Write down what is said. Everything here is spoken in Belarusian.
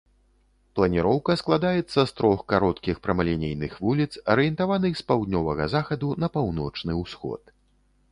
Планіроўка складаецца з трох кароткіх прамалінейных вуліц, арыентаваных з паўднёвага захаду на паўночны ўсход.